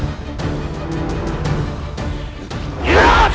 kalau kalian punya nyali